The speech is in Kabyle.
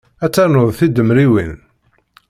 Ad ternuḍ tidemriwin.